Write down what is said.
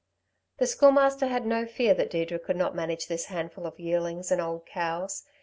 The Schoolmaster had no fear that Deirdre could not manage this handful of yearlings and old cows.